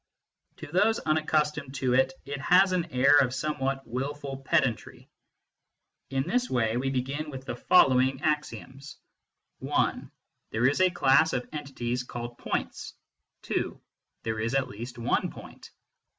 To those unaccustomed to it, it has an air of somewhat wilful pedantry. In this way, we begin with the following 94 MYSTICISM AND LOGIC axioms : (i) There is a class of entities called points. (2) There is at least one point.